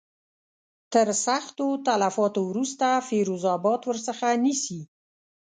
تر سختو تلفاتو وروسته فیروز آباد ورڅخه نیسي.